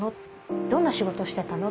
どんな仕事をしてたの？